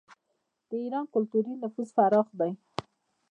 د ایران کلتوري نفوذ پراخ دی.